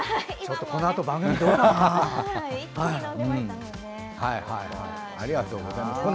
このあと、番組どうかな。